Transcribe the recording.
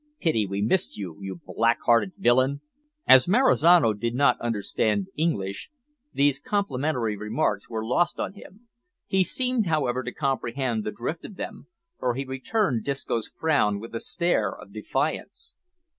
Pity we missed you, you black hearted villain!" As Marizano did not understand English, these complimentary remarks were lost on him. He seemed, however, to comprehend the drift of them, for he returned Disco's frown with a stare of defiance.